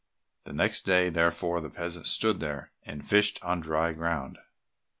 The next day, therefore, the peasant stood there, and fished on dry ground.